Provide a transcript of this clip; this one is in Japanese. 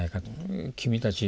君たち